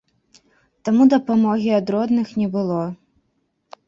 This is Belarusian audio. Таму дапамогі ад родных не было.